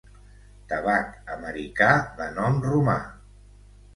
Tabac americà de nom romà.